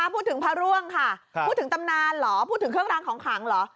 พูดถึงพระร่วงค่ะพูดถึงตำนานเหรอพูดถึงเครื่องรางของขังเหรอ